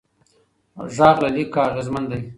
غږ له لیکه اغېزمن دی.